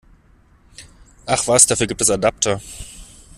Ach was, dafür gibt es Adapter!